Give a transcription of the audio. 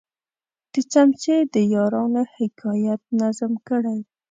د څمڅې د یارانو حکایت نظم کړی.